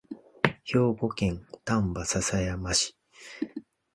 兵庫県丹波篠山市